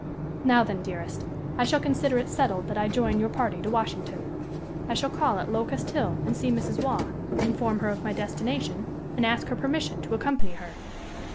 Now then, dearest, I shall consider it settled that I join your party to Washington. I shall call at Locust Hill and see Mrs. Waugh, inform her of my destination, and ask her permission to accompany her.